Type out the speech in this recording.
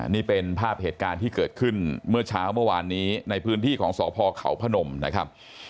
นี่เป็นภาพเหตุการณ์ที่เกิดขึ้นเมื่อเช้าเมื่อวานนี้ในพื้นที่ของสพเขาพนมนะครับ